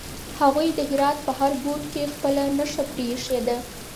هغوی د هرات په هر ګوټ کې خپله نښه پرېښې ده.